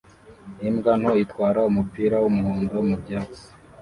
Imbwa nto itwara umupira w'umuhondo mu byatsi